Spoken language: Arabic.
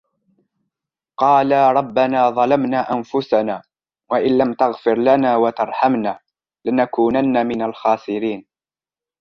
قالا ربنا ظلمنا أنفسنا وإن لم تغفر لنا وترحمنا لنكونن من الخاسرين